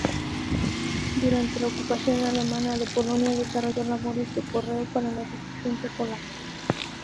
Durante la ocupación alemana de Polonia desarrolló labores de correo para la resistencia polaca.